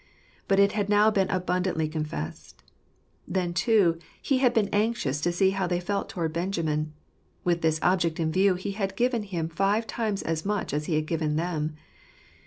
But it had now been abundantly con fessed. 1 hen, too, he had been anxious to see how they felt toward Benjamin. With this object in view he had given him five times as much as he had given them.